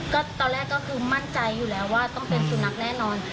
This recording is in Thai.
ก็ตอนแรกก็คือมั่นใจอยู่แล้วว่าต้องเป็นสุนัขแน่นอน